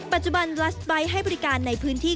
ปัจจุบันรัสไบท์ให้บริการในพื้นที่